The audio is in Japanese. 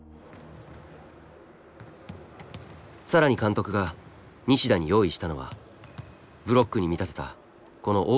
更に監督が西田に用意したのはブロックに見立てたこの大きなボード。